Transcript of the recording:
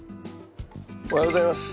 おはようございます。